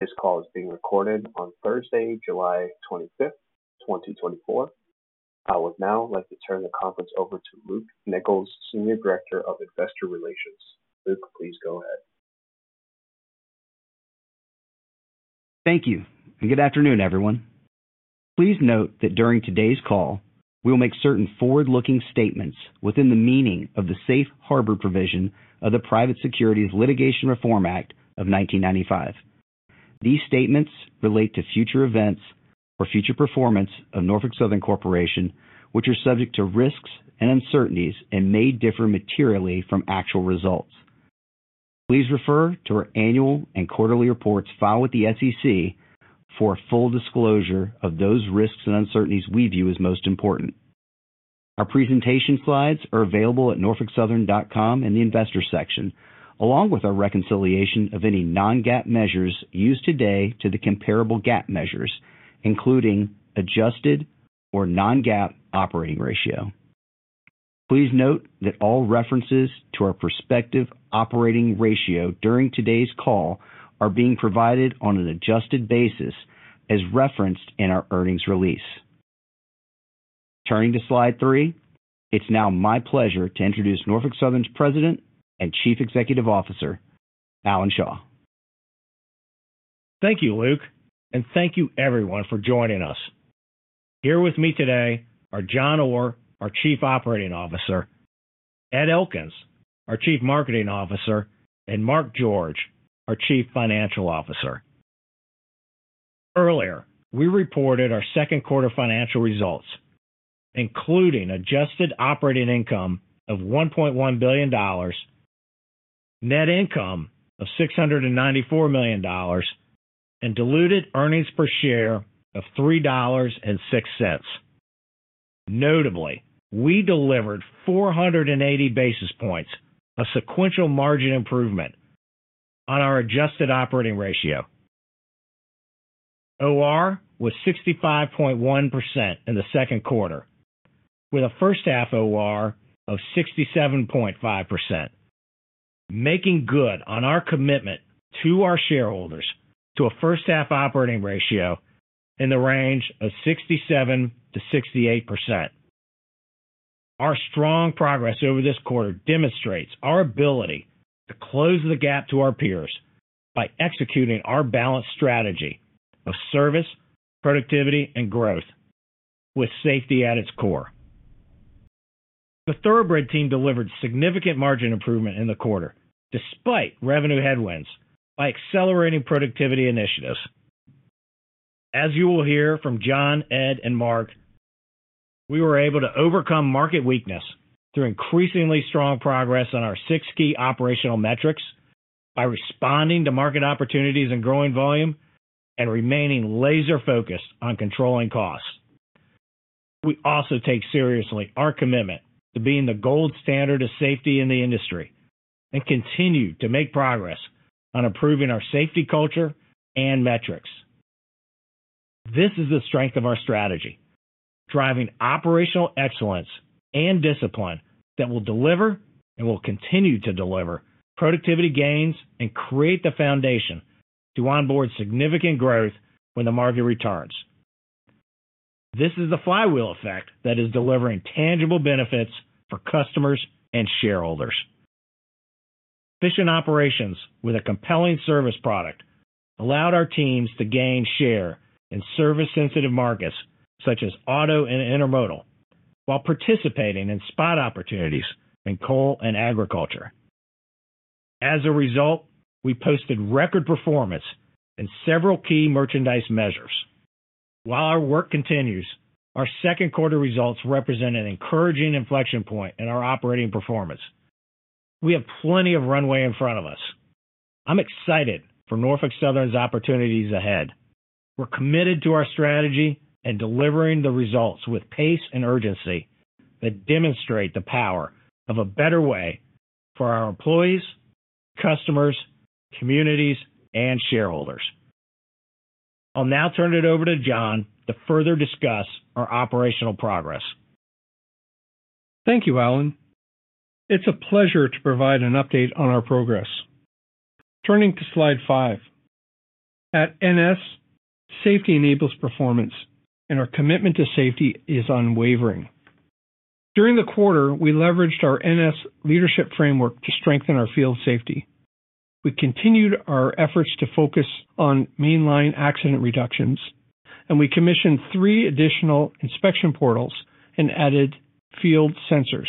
This call is being recorded on Thursday, July 25th, 2024. I would now like to turn the conference over to Luke Nichols, Senior Director of Investor Relations. Luke, please go ahead. Thank you, and good afternoon, everyone. Please note that during today's call, we will make certain forward-looking statements within the meaning of the safe harbor provision of the Private Securities Litigation Reform Act of 1995. These statements relate to future events or future performance of Norfolk Southern Corporation, which are subject to risks and uncertainties and may differ materially from actual results. Please refer to our annual and quarterly reports filed with the SEC for full disclosure of those risks and uncertainties we view as most important. Our presentation slides are available at norfolksouthern.com in the Investor section, along with our reconciliation of any non-GAAP measures used today to the comparable GAAP measures, including adjusted or non-GAAP operating ratio. Please note that all references to our prospective operating ratio during today's call are being provided on an adjusted basis as referenced in our earnings release. Turning to slide 3, it's now my pleasure to introduce Norfolk Southern's President and Chief Executive Officer, Alan Shaw. Thank you, Luke, and thank you, everyone, for joining us. Here with me today are John Orr, our Chief Operating Officer, Ed Elkins, our Chief Marketing Officer, and Mark George, our Chief Financial Officer. Earlier, we reported our second quarter financial results, including adjusted operating income of $1.1 billion, net income of $694 million, and diluted earnings per share of $3.06. Notably, we delivered 480 basis points, a sequential margin improvement, on our adjusted operating ratio. OR was 65.1% in the second quarter, with a first-half OR of 67.5%, making good on our commitment to our shareholders to a first-half operating ratio in the range of 67%-68%. Our strong progress over this quarter demonstrates our ability to close the gap to our peers by executing our balanced strategy of service, productivity, and growth, with safety at its core. The Thoroughbred team delivered significant margin improvement in the quarter, despite revenue headwinds, by accelerating productivity initiatives. As you will hear from John, Ed, and Mark, we were able to overcome market weakness through increasingly strong progress on our six key operational metrics, by responding to market opportunities and growing volume, and remaining laser-focused on controlling costs. We also take seriously our commitment to being the gold standard of safety in the industry and continue to make progress on improving our safety culture and metrics. This is the strength of our strategy, driving operational excellence and discipline that will deliver and will continue to deliver productivity gains and create the foundation to onboard significant growth when the market returns. This is the flywheel effect that is delivering tangible benefits for customers and shareholders. Efficient operations with a compelling service product allowed our teams to gain share in service-sensitive markets such as auto and intermodal, while participating in spot opportunities in coal and agriculture. As a result, we posted record performance in several key merchandise measures. While our work continues, our second quarter results represent an encouraging inflection point in our operating performance. We have plenty of runway in front of us. I'm excited for Norfolk Southern's opportunities ahead. We're committed to our strategy and delivering the results with pace and urgency that demonstrate the power of a better way for our employees, customers, communities, and shareholders. I'll now turn it over to John to further discuss our operational progress. Thank you, Alan. It's a pleasure to provide an update on our progress. Turning to slide 5, at NS, safety enables performance, and our commitment to safety is unwavering. During the quarter, we leveraged our NS leadership framework to strengthen our field safety. We continued our efforts to focus on mainline accident reductions, and we commissioned 3 additional inspection portals and added field sensors.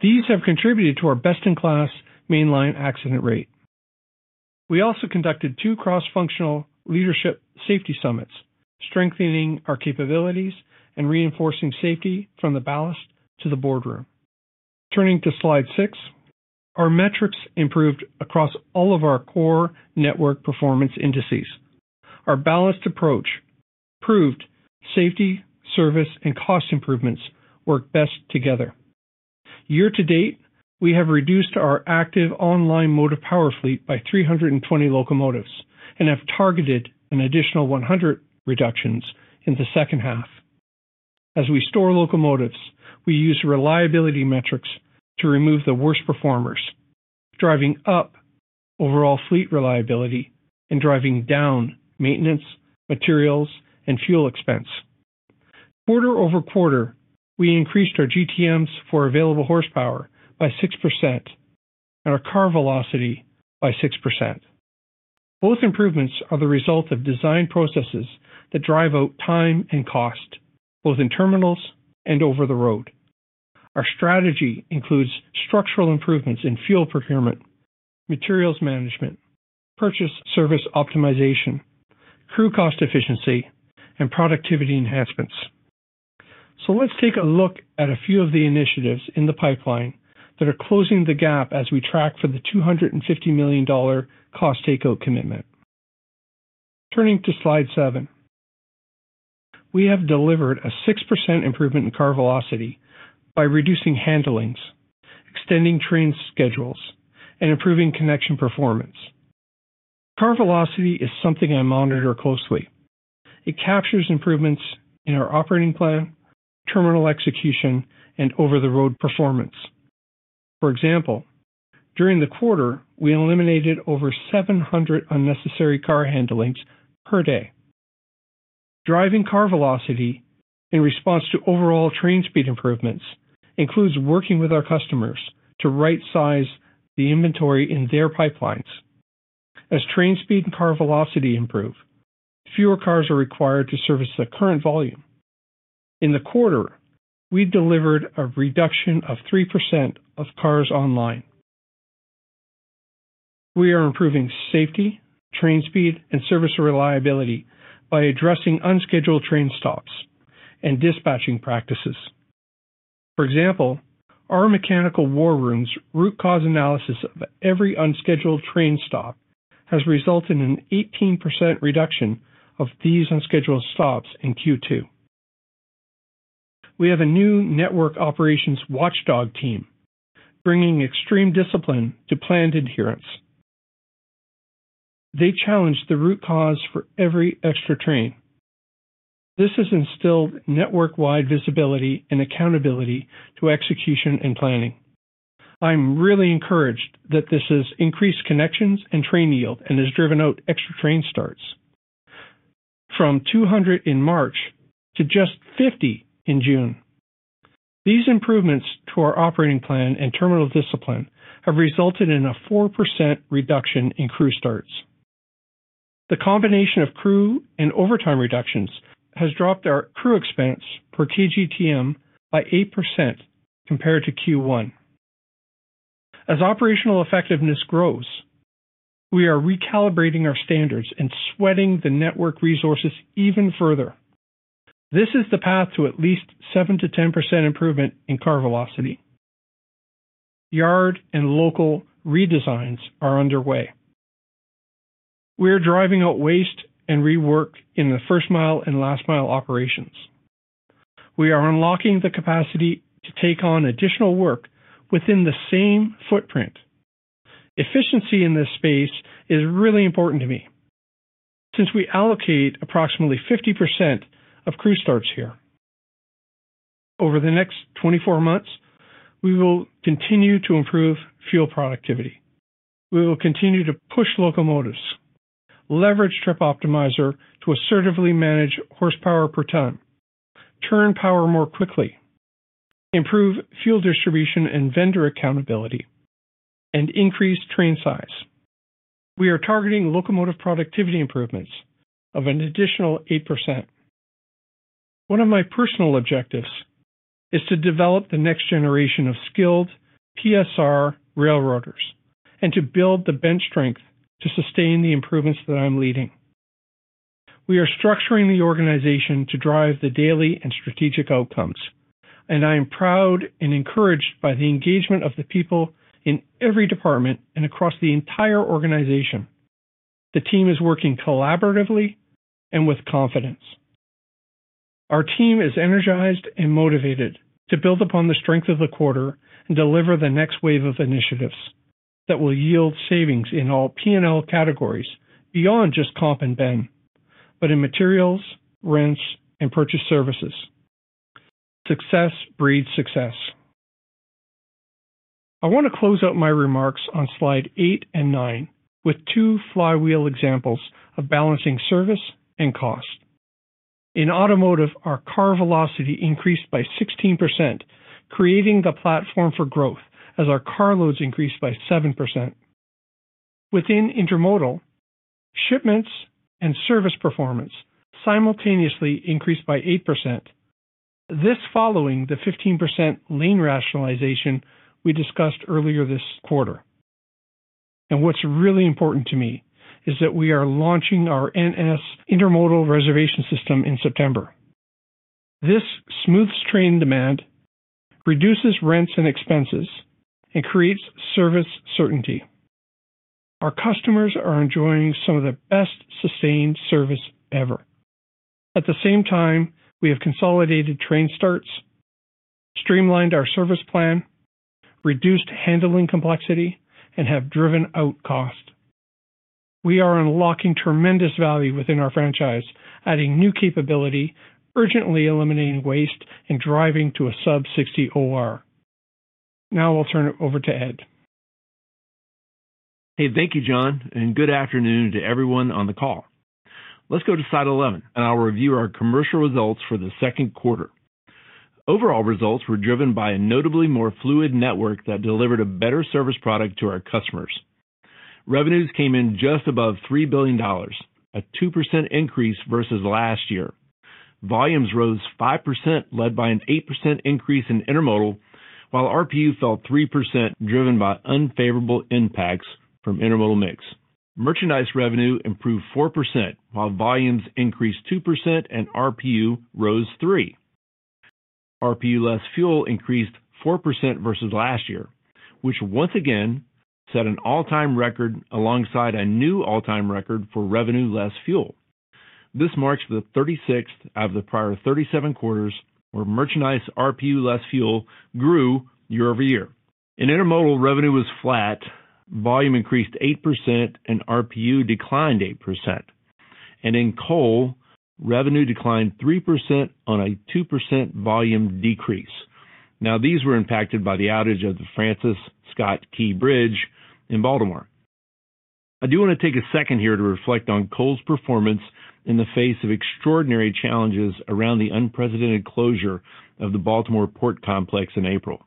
These have contributed to our best-in-class mainline accident rate. We also conducted 2 cross-functional leadership safety summits, strengthening our capabilities and reinforcing safety from the ballast to the boardroom. Turning to slide 6, our metrics improved across all of our core network performance indices. Our balanced approach proved safety, service, and cost improvements work best together. Year to date, we have reduced our active online motive power fleet by 320 locomotives and have targeted an additional 100 reductions in the second half. As we store locomotives, we use reliability metrics to remove the worst performers, driving up overall fleet reliability and driving down maintenance, materials, and fuel expense. Quarter-over-quarter, we increased our GTMs for available horsepower by 6% and our car velocity by 6%. Both improvements are the result of design processes that drive out time and cost, both in terminals and over the road. Our strategy includes structural improvements in fuel procurement, materials management, purchase service optimization, crew cost efficiency, and productivity enhancements. So let's take a look at a few of the initiatives in the pipeline that are closing the gap as we track for the $250 million cost takeout commitment. Turning to slide seven, we have delivered a 6% improvement in car velocity by reducing handlings, extending train schedules, and improving connection performance. Car velocity is something I monitor closely. It captures improvements in our operating plan, terminal execution, and over-the-road performance. For example, during the quarter, we eliminated over 700 unnecessary car handlings per day. Driving car velocity in response to overall train speed improvements includes working with our customers to right-size the inventory in their pipelines. As train speed and car velocity improve, fewer cars are required to service the current volume. In the quarter, we delivered a reduction of 3% of cars online. We are improving safety, train speed, and service reliability by addressing unscheduled train stops and dispatching practices. For example, our mechanical war room's root cause analysis of every unscheduled train stop has resulted in an 18% reduction of these unscheduled stops in Q2. We have a new network operations watchdog team bringing extreme discipline to planned adherence. They challenge the root cause for every extra train. This has instilled network-wide visibility and accountability to execution and planning. I'm really encouraged that this has increased connections and train yield and has driven out extra train starts from 200 in March to just 50 in June. These improvements to our operating plan and terminal discipline have resulted in a 4% reduction in crew starts. The combination of crew and overtime reductions has dropped our crew expense per KGTM by 8% compared to Q1. As operational effectiveness grows, we are recalibrating our standards and sweating the network resources even further. This is the path to at least 7%-10% improvement in car velocity. Yard and local redesigns are underway. We are driving out waste and rework in the first-mile and last-mile operations. We are unlocking the capacity to take on additional work within the same footprint. Efficiency in this space is really important to me since we allocate approximately 50% of crew starts here. Over the next 24 months, we will continue to improve fuel productivity. We will continue to push locomotives, leverage Trip Optimizer to assertively manage horsepower per ton, turn power more quickly, improve fuel distribution and vendor accountability, and increase train size. We are targeting locomotive productivity improvements of an additional 8%. One of my personal objectives is to develop the next generation of skilled PSR railroaders and to build the bench strength to sustain the improvements that I'm leading. We are structuring the organization to drive the daily and strategic outcomes, and I am proud and encouraged by the engagement of the people in every department and across the entire organization. The team is working collaboratively and with confidence. Our team is energized and motivated to build upon the strength of the quarter and deliver the next wave of initiatives that will yield savings in all P&L categories beyond just Comp and Ben, but in materials, rents, and purchased services. Success breeds success. I want to close out my remarks on slide 8 and 9 with two flywheel examples of balancing service and cost. In automotive, our car velocity increased by 16%, creating the platform for growth as our car loads increased by 7%. Within intermodal, shipments and service performance simultaneously increased by 8%, this following the 15% lane rationalization we discussed earlier this quarter. And what's really important to me is that we are launching our NS Intermodal Reservation System in September. This smooths train demand, reduces rents and expenses, and creates service certainty. Our customers are enjoying some of the best sustained service ever. At the same time, we have consolidated train starts, streamlined our service plan, reduced handling complexity, and have driven out cost. We are unlocking tremendous value within our franchise, adding new capability, urgently eliminating waste, and driving to a sub-60 OR. Now I'll turn it over to Ed. Hey, thank you, John, and good afternoon to everyone on the call. Let's go to Slide 11, and I'll review our commercial results for the second quarter. Overall results were driven by a notably more fluid network that delivered a better service product to our customers. Revenues came in just above $3 billion, a 2% increase versus last year. Volumes rose 5%, led by an 8% increase in intermodal, while RPU fell 3%, driven by unfavorable impacts from intermodal mix. Merchandise revenue improved 4%, while volumes increased 2% and RPU rose 3%. RPU less fuel increased 4% versus last year, which once again set an all-time record alongside a new all-time record for revenue less fuel. This marks the 36th out of the prior 37 quarters where merchandise RPU less fuel grew year-over-year. In intermodal, revenue was flat. Volume increased 8% and RPU declined 8%. In coal, revenue declined 3% on a 2% volume decrease. Now, these were impacted by the outage of the Francis Scott Key Bridge in Baltimore. I do want to take a second here to reflect on coal's performance in the face of extraordinary challenges around the unprecedented closure of the Baltimore port complex in April.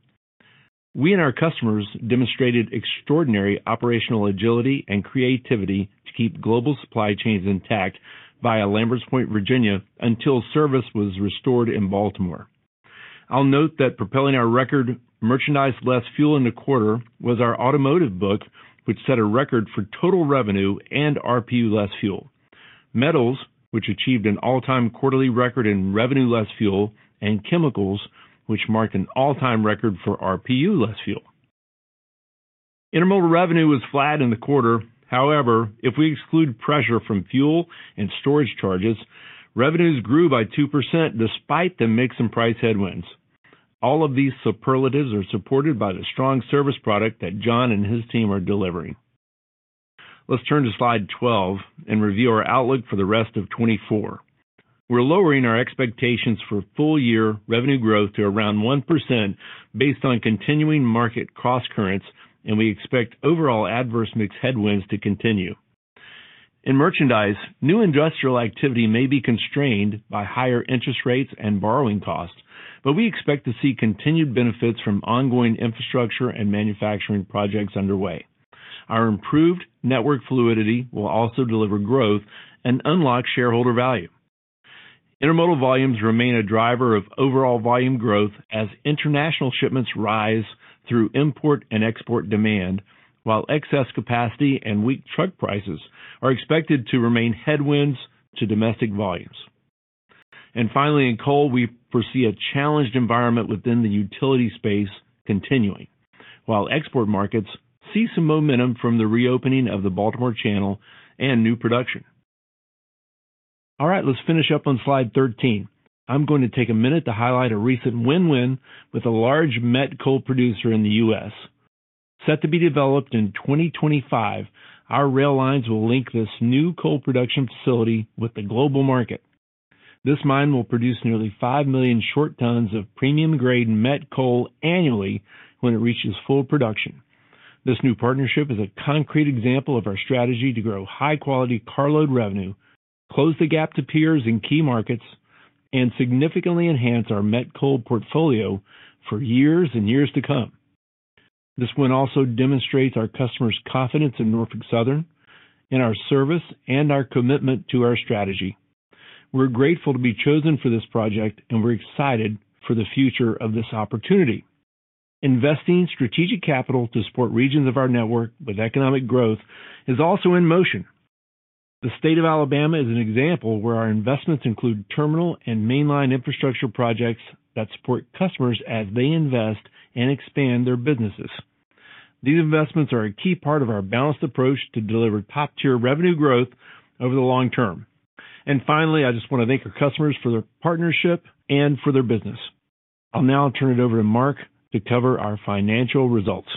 We and our customers demonstrated extraordinary operational agility and creativity to keep global supply chains intact via Lamberts Point, Virginia, until service was restored in Baltimore. I'll note that propelling our record, merchandise less fuel in the quarter was our automotive book, which set a record for total revenue and RPU less fuel. Metals, which achieved an all-time quarterly record in revenue less fuel, and chemicals, which marked an all-time record for RPU less fuel. Intermodal revenue was flat in the quarter. However, if we exclude pressure from fuel and storage charges, revenues grew by 2% despite the mix and price headwinds. All of these superlatives are supported by the strong service product that John and his team are delivering. Let's turn to slide 12 and review our outlook for the rest of 2024. We're lowering our expectations for full-year revenue growth to around 1% based on continuing market cross-currents, and we expect overall adverse mix headwinds to continue. In merchandise, new industrial activity may be constrained by higher interest rates and borrowing costs, but we expect to see continued benefits from ongoing infrastructure and manufacturing projects underway. Our improved network fluidity will also deliver growth and unlock shareholder value. Intermodal volumes remain a driver of overall volume growth as international shipments rise through import and export demand, while excess capacity and weak truck prices are expected to remain headwinds to domestic volumes. And finally, in coal, we foresee a challenged environment within the utility space continuing, while export markets see some momentum from the reopening of the Baltimore Channel and new production. All right, let's finish up on slide 13. I'm going to take a minute to highlight a recent win-win with a large met coal producer in the U.S. Set to be developed in 2025, our rail lines will link this new coal production facility with the global market. This mine will produce nearly 5 million short tons of premium-grade met coal annually when it reaches full production. This new partnership is a concrete example of our strategy to grow high-quality carload revenue, close the gap to peers in key markets, and significantly enhance our met coal portfolio for years and years to come. This win also demonstrates our customers' confidence in Norfolk Southern, in our service, and our commitment to our strategy. We're grateful to be chosen for this project, and we're excited for the future of this opportunity. Investing strategic capital to support regions of our network with economic growth is also in motion. The state of Alabama is an example where our investments include terminal and mainline infrastructure projects that support customers as they invest and expand their businesses. These investments are a key part of our balanced approach to deliver top-tier revenue growth over the long term. Finally, I just want to thank our customers for their partnership and for their business. I'll now turn it over to Mark to cover our financial results.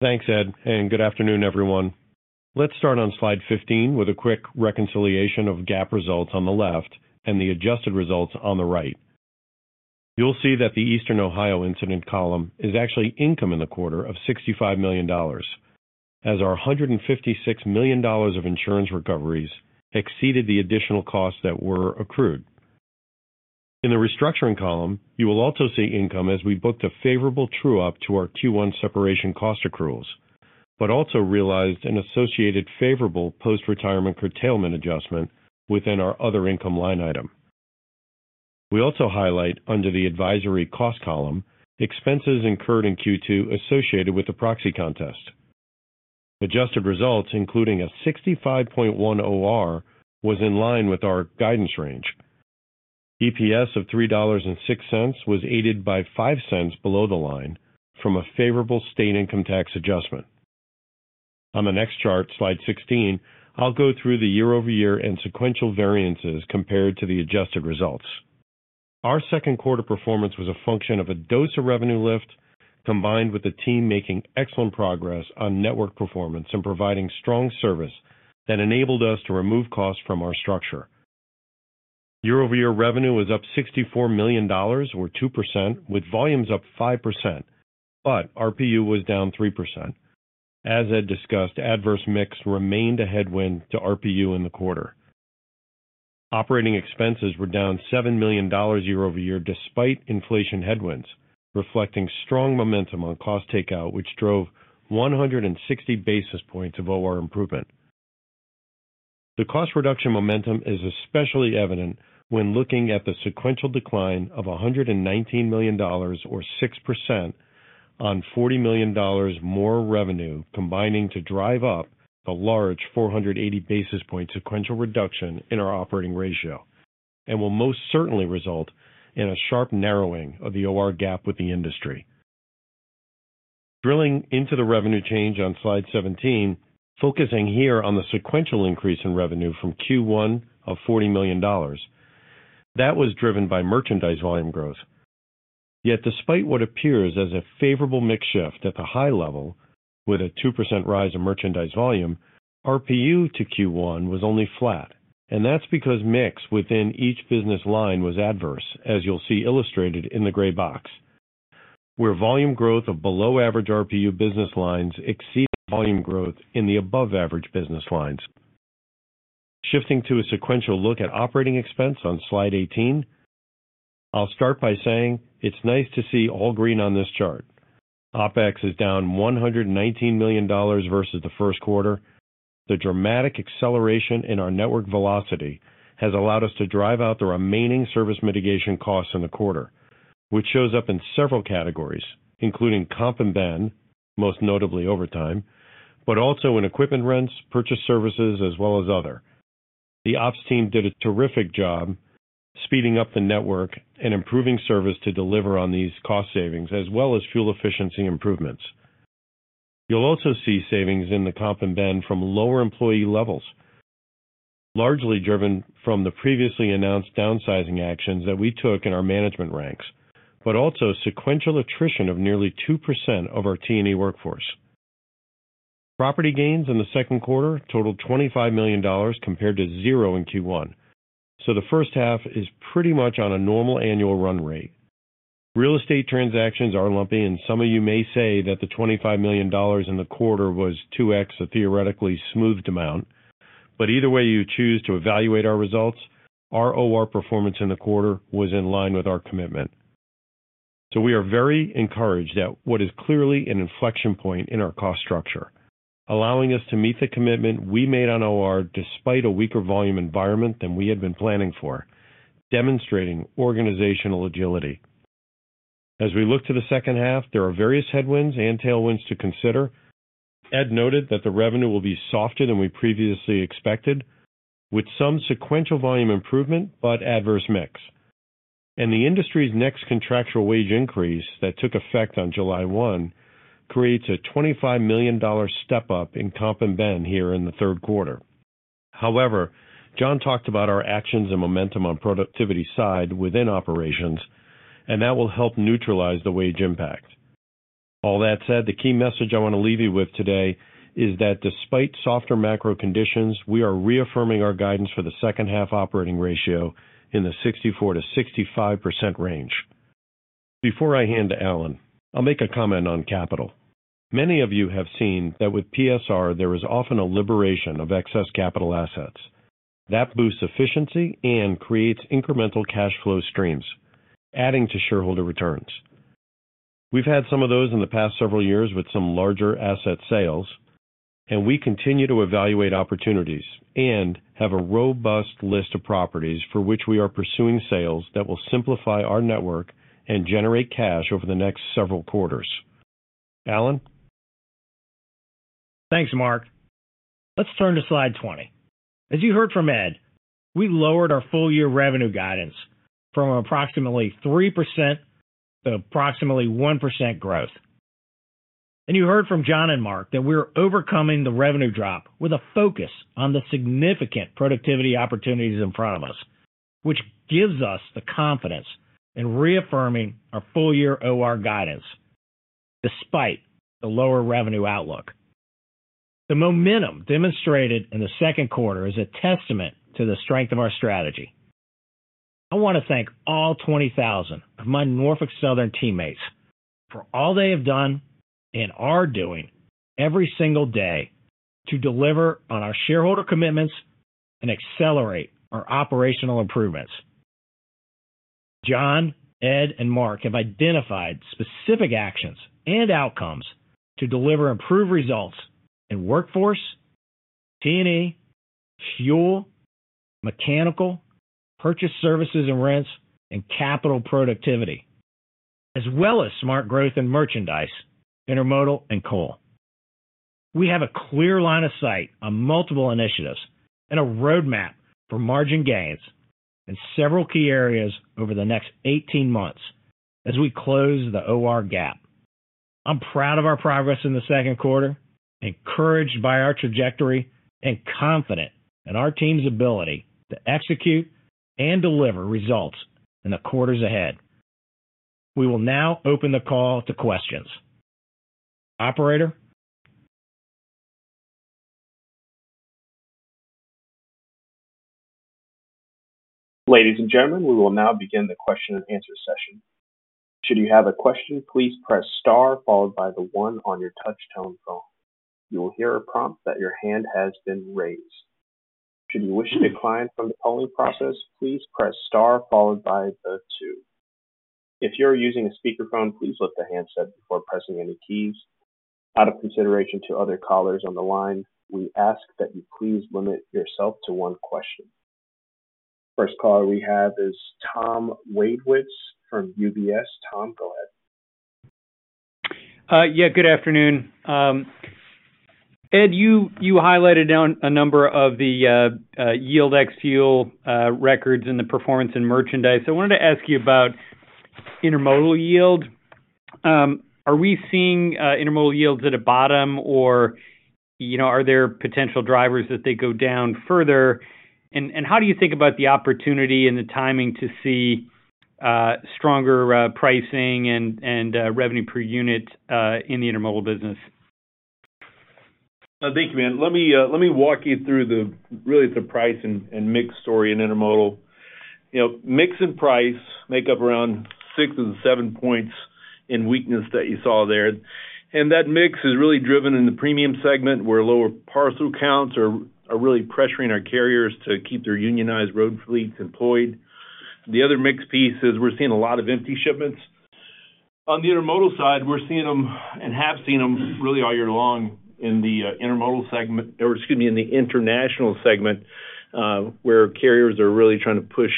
Thanks, Ed, and good afternoon, everyone. Let's start on slide 15 with a quick reconciliation of GAAP results on the left and the adjusted results on the right. You'll see that the Eastern Ohio incident column is actually income in the quarter of $65 million, as our $156 million of insurance recoveries exceeded the additional costs that were accrued. In the restructuring column, you will also see income as we booked a favorable true-up to our Q1 separation cost accruals, but also realized an associated favorable post-retirement curtailment adjustment within our other income line item. We also highlight under the advisory cost column expenses incurred in Q2 associated with the proxy contest. Adjusted results, including a 65.1% OR, was in line with our guidance range. EPS of $3.06 was aided by $0.05 below the line from a favorable state income tax adjustment. On the next chart, slide 16, I'll go through the year-over-year and sequential variances compared to the adjusted results. Our second quarter performance was a function of a dose of revenue lift combined with the team making excellent progress on network performance and providing strong service that enabled us to remove costs from our structure. Year-over-year revenue was up $64 million, or 2%, with volumes up 5%, but RPU was down 3%. As Ed discussed, adverse mix remained a headwind to RPU in the quarter. Operating expenses were down $7 million year-over-year despite inflation headwinds, reflecting strong momentum on cost takeout, which drove 160 basis points of OR improvement. The cost reduction momentum is especially evident when looking at the sequential decline of $119 million, or 6%, on $40 million more revenue combining to drive up the large 480 basis point sequential reduction in our operating ratio, and will most certainly result in a sharp narrowing of the OR gap with the industry. Drilling into the revenue change on slide 17, focusing here on the sequential increase in revenue from Q1 of $40 million, that was driven by merchandise volume growth. Yet, despite what appears as a favorable mix shift at the high level with a 2% rise in merchandise volume, RPU to Q1 was only flat, and that's because mix within each business line was adverse, as you'll see illustrated in the gray box, where volume growth of below-average RPU business lines exceeded volume growth in the above-average business lines. Shifting to a sequential look at operating expense on slide 18, I'll start by saying it's nice to see all green on this chart. OPEX is down $119 million versus the first quarter. The dramatic acceleration in our network velocity has allowed us to drive out the remaining service mitigation costs in the quarter, which shows up in several categories, including Comp and Ben, most notably overtime, but also in equipment rents, purchased services, as well as other. The ops team did a terrific job speeding up the network and improving service to deliver on these cost savings, as well as fuel efficiency improvements. You'll also see savings in the Comp and Ben from lower employee levels, largely driven from the previously announced downsizing actions that we took in our management ranks, but also sequential attrition of nearly 2% of our T&E workforce. Property gains in the second quarter totaled $25 million compared to zero in Q1, so the first half is pretty much on a normal annual run rate. Real estate transactions are lumpy, and some of you may say that the $25 million in the quarter was 2x a theoretically smoothed amount, but either way you choose to evaluate our results, our OR performance in the quarter was in line with our commitment. So we are very encouraged at what is clearly an inflection point in our cost structure, allowing us to meet the commitment we made on OR despite a weaker volume environment than we had been planning for, demonstrating organizational agility. As we look to the second half, there are various headwinds and tailwinds to consider. Ed noted that the revenue will be softer than we previously expected, with some sequential volume improvement, but adverse mix. The industry's next contractual wage increase that took effect on July 1 creates a $25 million step-up in Comp and Ben here in the third quarter. However, John talked about our actions and momentum on productivity side within operations, and that will help neutralize the wage impact. All that said, the key message I want to leave you with today is that despite softer macro conditions, we are reaffirming our guidance for the second half operating ratio in the 64%-65% range. Before I hand to Alan, I'll make a comment on capital. Many of you have seen that with PSR, there is often a liberation of excess capital assets. That boosts efficiency and creates incremental cash flow streams, adding to shareholder returns. We've had some of those in the past several years with some larger asset sales, and we continue to evaluate opportunities and have a robust list of properties for which we are pursuing sales that will simplify our network and generate cash over the next several quarters. Alan? Thanks, Mark. Let's turn to slide 20. As you heard from Ed, we lowered our full-year revenue guidance from approximately 3% to approximately 1% growth. You heard from John and Mark that we're overcoming the revenue drop with a focus on the significant productivity opportunities in front of us, which gives us the confidence in reaffirming our full-year OR guidance despite the lower revenue outlook. The momentum demonstrated in the second quarter is a testament to the strength of our strategy. I want to thank all 20,000 of my Norfolk Southern teammates for all they have done and are doing every single day to deliver on our shareholder commitments and accelerate our operational improvements. John, Ed, and Mark have identified specific actions and outcomes to deliver improved results in workforce, T&E, fuel, mechanical, purchase services and rents, and capital productivity, as well as smart growth in merchandise, intermodal, and coal. We have a clear line of sight on multiple initiatives and a roadmap for margin gains in several key areas over the next 18 months as we close the OR gap. I'm proud of our progress in the second quarter, encouraged by our trajectory, and confident in our team's ability to execute and deliver results in the quarters ahead. We will now open the call to questions. Operator? Ladies and gentlemen, we will now begin the question and answer session. Should you have a question, please press star followed by one on your touch tone phone. You will hear a prompt that your hand has been raised. Should you wish to decline from the polling process, please press star followed by two. If you're using a speakerphone, please lift the handset before pressing any keys. Out of consideration to other callers on the line, we ask that you please limit yourself to one question. First caller we have is Tom Wadewitz from UBS. Tom, go ahead. Yeah, good afternoon. Ed, you highlighted a number of the yield ex-fuel records and the performance in merchandise. I wanted to ask you about intermodal yield. Are we seeing intermodal yields at a bottom, or are there potential drivers that they go down further? And how do you think about the opportunity and the timing to see stronger pricing and revenue per unit in the intermodal business? Thank you, man. Let me walk you through really the price and mix story in intermodal. Mix and price make up around six of the seven points in weakness that you saw there. That mix is really driven in the premium segment where lower parcel counts are really pressuring our carriers to keep their unionized road fleets employed. The other mix piece is we're seeing a lot of empty shipments. On the intermodal side, we're seeing them and have seen them really all year long in the intermodal segment, or excuse me, in the international segment, where carriers are really trying to push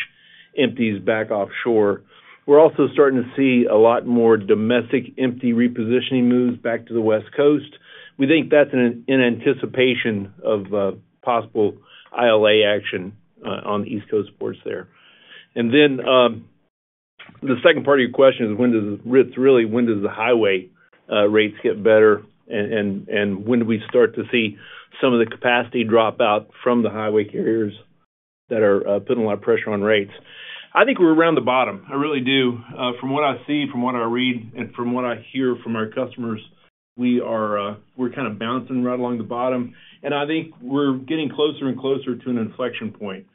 empties back offshore. We're also starting to see a lot more domestic empty repositioning moves back to the West Coast. We think that's in anticipation of possible ILA action on the East Coast ports there. And then the second part of your question is, really, when do the highway rates get better, and when do we start to see some of the capacity drop out from the highway carriers that are putting a lot of pressure on rates? I think we're around the bottom. I really do. From what I see, from what I read, and from what I hear from our customers, we're kind of bouncing right along the bottom. And I think we're getting closer and closer to an inflection point.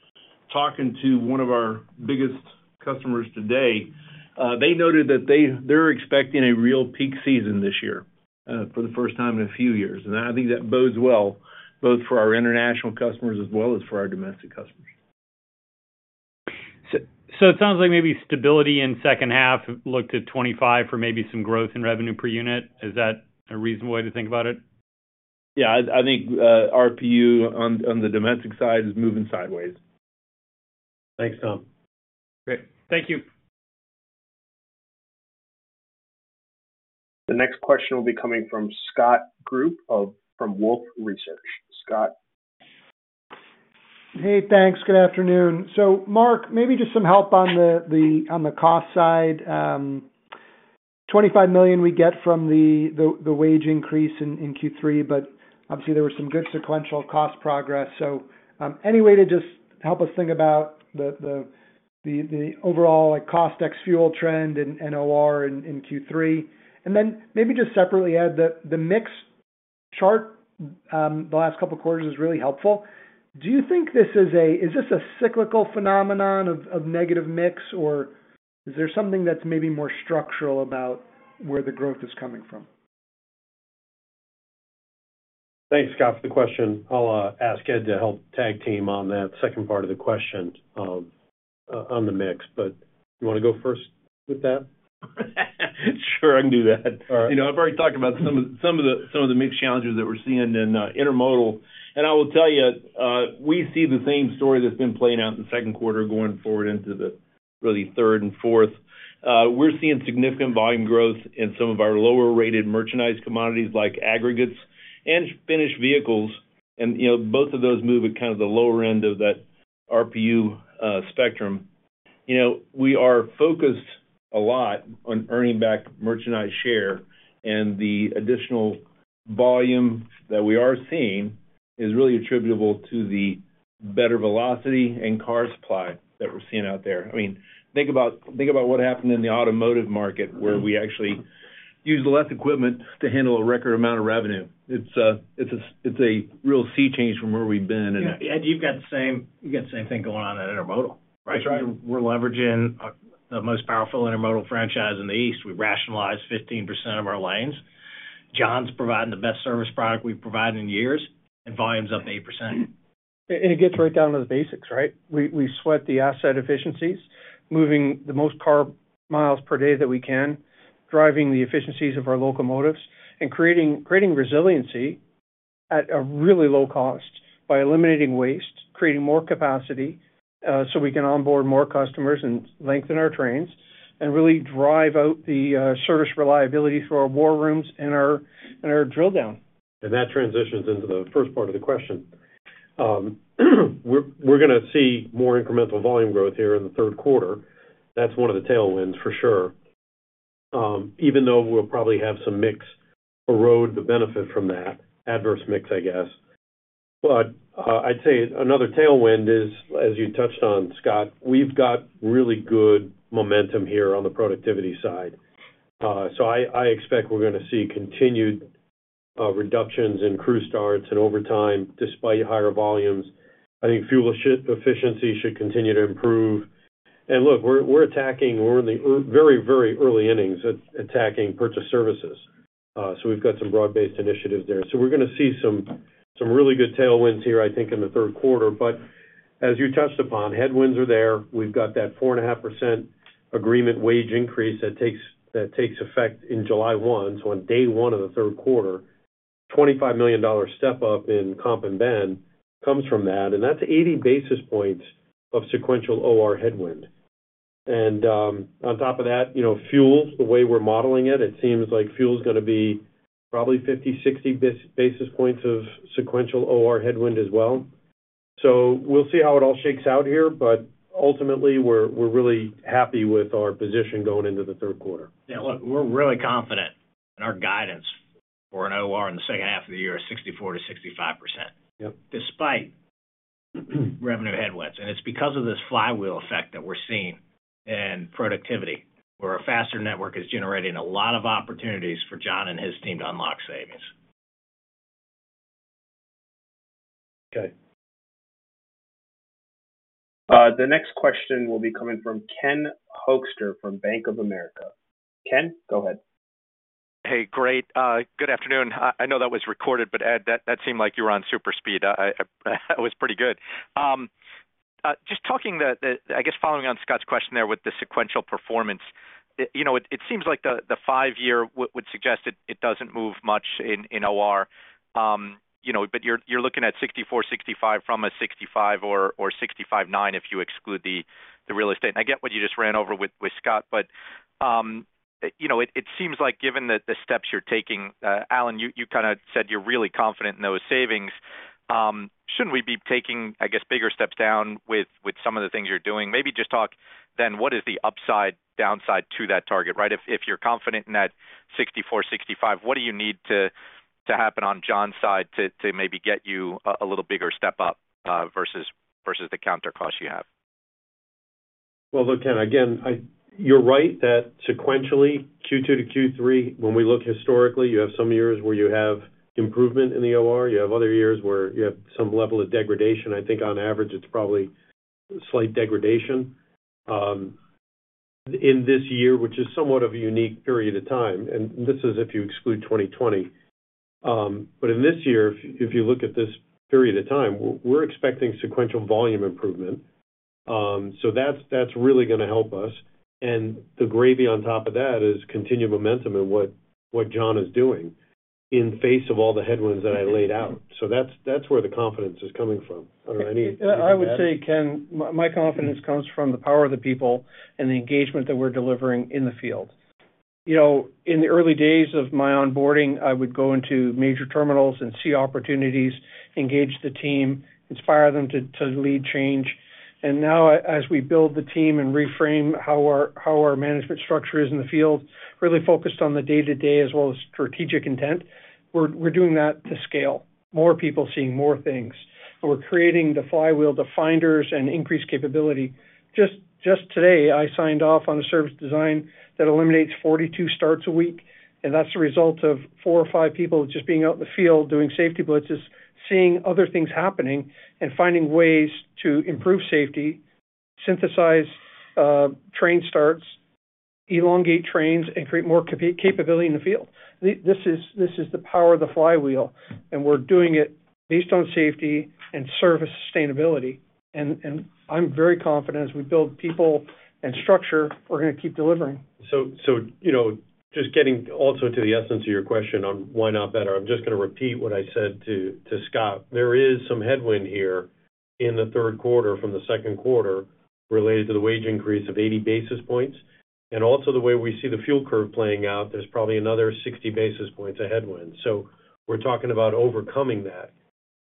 Talking to one of our biggest customers today, they noted that they're expecting a real peak season this year for the first time in a few years. And I think that bodes well both for our international customers as well as for our domestic customers. It sounds like maybe stability in second half looked at 25 for maybe some growth in revenue per unit. Is that a reasonable way to think about it? Yeah, I think RPU on the domestic side is moving sideways. Thanks, Tom. Great. Thank you. The next question will be coming from Scott Group from Wolfe Research. Scott. Hey, thanks. Good afternoon. So Mark, maybe just some help on the cost side. $25 million we get from the wage increase in Q3, but obviously there was some good sequential cost progress. So any way to just help us think about the overall cost ex fuel trend and OR in Q3? And then maybe just separately add that the mix chart the last couple of quarters is really helpful. Do you think this is a cyclical phenomenon of negative mix, or is there something that's maybe more structural about where the growth is coming from? Thanks, Scott. For the question, I'll ask Ed to help tag team on that second part of the question on the mix. But you want to go first with that? Sure, I can do that. All right. I've already talked about some of the mixed challenges that we're seeing in intermodal. I will tell you, we see the same story that's been playing out in the second quarter going forward into the really third and fourth. We're seeing significant volume growth in some of our lower-rated merchandise commodities like aggregates and finished vehicles. Both of those move at kind of the lower end of that RPU spectrum. We are focused a lot on earning back merchandise share, and the additional volume that we are seeing is really attributable to the better velocity and car supply that we're seeing out there. I mean, think about what happened in the automotive market where we actually used less equipment to handle a record amount of revenue. It's a real sea change from where we've been. Ed, you've got the same thing going on in intermodal, right? That's right. We're leveraging the most powerful intermodal franchise in the East. We rationalized 15% of our lanes. John's providing the best service product we've provided in years and volumes up 8%. And it gets right down to the basics, right? We sweat the asset efficiencies, moving the most car miles per day that we can, driving the efficiencies of our locomotives, and creating resiliency at a really low cost by eliminating waste, creating more capacity so we can onboard more customers and lengthen our trains, and really drive out the service reliability through our war rooms and our drill down. That transitions into the first part of the question. We're going to see more incremental volume growth here in the third quarter. That's one of the tailwinds for sure. Even though we'll probably have some mix erode the benefit from that, adverse mix, I guess. I'd say another tailwind is, as you touched on, Scott, we've got really good momentum here on the productivity side. I expect we're going to see continued reductions in crew starts and overtime despite higher volumes. I think fuel efficiency should continue to improve. Look, we're attacking. We're in the very, very early innings attacking purchased services. We've got some broad-based initiatives there. We're going to see some really good tailwinds here, I think, in the third quarter. As you touched upon, headwinds are there. We've got that 4.5% agreement wage increase that takes effect in July 1. On day one of the third quarter, a $25 million step-up in Comp and Ben comes from that. That's 80 basis points of sequential OR headwind. On top of that, fuel, the way we're modeling it, it seems like fuel is going to be probably 50-60 basis points of sequential OR headwind as well. We'll see how it all shakes out here, but ultimately, we're really happy with our position going into the third quarter. Yeah, look, we're really confident in our guidance for an OR in the second half of the year at 64%-65% despite revenue headwinds. It's because of this flywheel effect that we're seeing in productivity, where a faster network is generating a lot of opportunities for John and his team to unlock savings. Okay. The next question will be coming from Ken Hoexter from Bank of America. Ken, go ahead. Hey, great. Good afternoon. I know that was recorded, but Ed, that seemed like you were on super speed. It was pretty good. Just talking, I guess, following on Scott's question there with the sequential performance, it seems like the five-year would suggest it doesn't move much in OR. But you're looking at 64-65 from a 65 or 65.9 if you exclude the real estate. And I get what you just ran over with Scott, but it seems like given the steps you're taking, Alan, you kind of said you're really confident in those savings. Shouldn't we be taking, I guess, bigger steps down with some of the things you're doing? Maybe just talk then, what is the upside downside to that target, right? If you're confident in that 64, 65, what do you need to happen on John's side to maybe get you a little bigger step up versus the counter cost you have? Well, look, Ken, again, you're right that sequentially Q2-Q3, when we look historically, you have some years where you have improvement in the OR. You have other years where you have some level of degradation. I think on average, it's probably slight degradation in this year, which is somewhat of a unique period of time. And this is if you exclude 2020. But in this year, if you look at this period of time, we're expecting sequential volume improvement. So that's really going to help us. And the gravy on top of that is continued momentum in what John is doing in face of all the headwinds that I laid out. So that's where the confidence is coming from. I don't know. I would say, Ken, my confidence comes from the power of the people and the engagement that we're delivering in the field. In the early days of my onboarding, I would go into major terminals and see opportunities, engage the team, inspire them to lead change. And now, as we build the team and reframe how our management structure is in the field, really focused on the day-to-day as well as strategic intent, we're doing that to scale. More people seeing more things. We're creating the flywheel to finders and increase capability. Just today, I signed off on a service design that eliminates 42 starts a week. And that's the result of four or five people just being out in the field doing safety blitzes, seeing other things happening, and finding ways to improve safety, synthesize train starts, elongate trains, and create more capability in the field. This is the power of the flywheel. We're doing it based on safety and service sustainability. I'm very confident as we build people and structure, we're going to keep delivering. Just getting also to the essence of your question on why not better, I'm just going to repeat what I said to Scott. There is some headwind here in the third quarter from the second quarter related to the wage increase of 80 basis points. Also the way we see the fuel curve playing out, there's probably another 60 basis points of headwind. We're talking about overcoming that.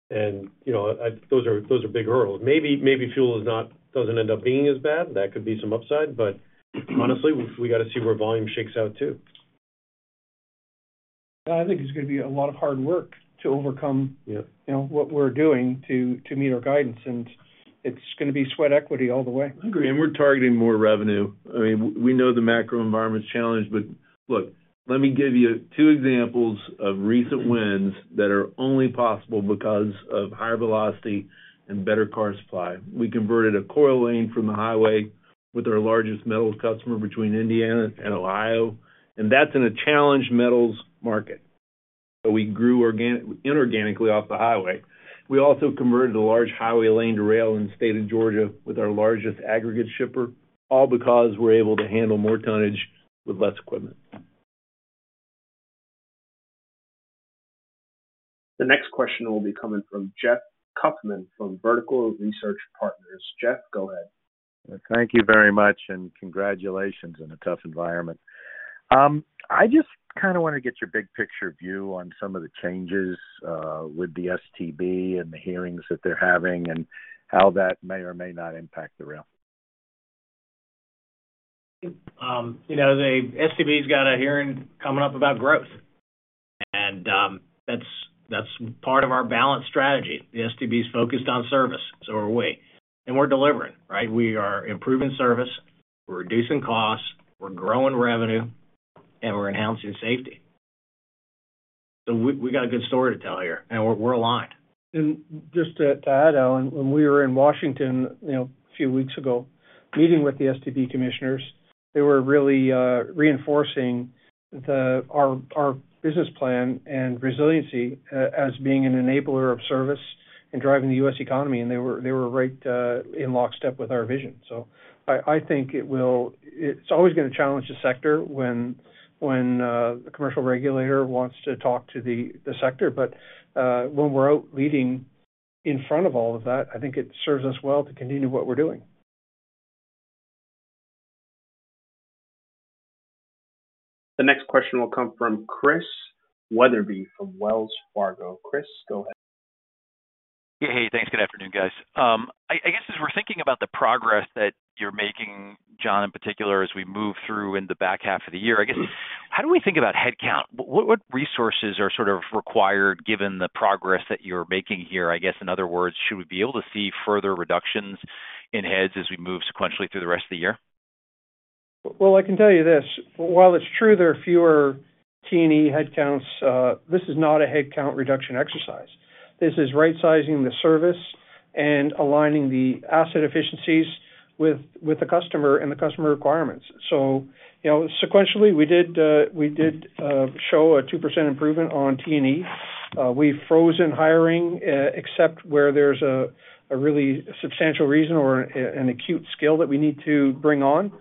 Those are big hurdles. Maybe fuel doesn't end up being as bad. That could be some upside. But honestly, we got to see where volume shakes out too. I think it's going to be a lot of hard work to overcome what we're doing to meet our guidance. And it's going to be sweat equity all the way. I agree. And we're targeting more revenue. I mean, we know the macro environment's challenge. But look, let me give you two examples of recent wins that are only possible because of higher velocity and better car supply. We converted a coil lane from the highway with our largest metals customer between Indiana and Ohio. And that's in a challenged metals market. So we grew inorganically off the highway. We also converted a large highway lane to rail in the state of Georgia with our largest aggregate shipper, all because we're able to handle more tonnage with less equipment. The next question will be coming from Jeff Kauffman from Vertical Research Partners. Jeff, go ahead. Thank you very much. Congratulations on a tough environment. I just kind of want to get your big picture view on some of the changes with the STB and the hearings that they're having and how that may or may not impact the rail. The STB's got a hearing coming up about growth. That's part of our balanced strategy. The STB's focused on service. So are we. We're delivering, right? We are improving service. We're reducing costs. We're growing revenue. We're enhancing safety. We got a good story to tell here. We're aligned. Just to add, Alan, when we were in Washington a few weeks ago meeting with the STB commissioners, they were really reinforcing our business plan and resiliency as being an enabler of service and driving the U.S. economy. They were right in lockstep with our vision. I think it's always going to challenge the sector when the commercial regulator wants to talk to the sector. When we're out leading in front of all of that, I think it serves us well to continue what we're doing. The next question will come from Chris Wetherbee from Wells Fargo. Chris, go ahead. Hey, hey. Thanks. Good afternoon, guys. I guess as we're thinking about the progress that you're making, John, in particular, as we move through in the back half of the year, I guess, how do we think about headcount? What resources are sort of required given the progress that you're making here? I guess, in other words, should we be able to see further reductions in heads as we move sequentially through the rest of the year? Well, I can tell you this. While it's true there are fewer T&E headcounts, this is not a headcount reduction exercise. This is right-sizing the service and aligning the asset efficiencies with the customer and the customer requirements. So sequentially, we did show a 2% improvement on T&E. We've frozen hiring except where there's a really substantial reason or an acute skill that we need to bring on.